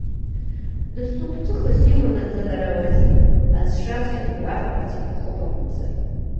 Дасу гәҭыхас имоу наӡаларауазеи, ҳазшаз ҳиргәаҟларц иҭахуп акәымзар.